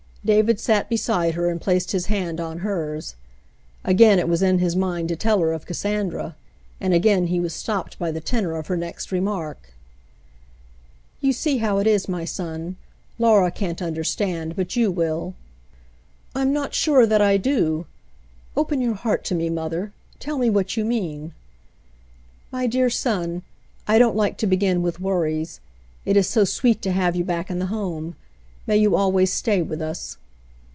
David sat beside her and placed his hand on hers. Again it was in his mind to tell her of Cassandra, and again he was stopped by the tenor of her next remark. "You see how it is, my son; Laura can't understand, but you will." "I'm not sure that I do. Open your heart to me, mother ; tell me what you mean.'* "My dear son. I don't like to begin with worries. It is so sweet to have you back in the home. May you always stay with us."